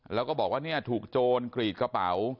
แล้วก็บอกว่าเนี่ยถูกโจรกรีดกระเป๋า